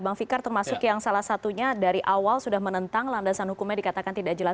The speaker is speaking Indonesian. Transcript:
bang fikar termasuk yang salah satunya dari awal sudah menentang landasan hukumnya dikatakan tidak jelas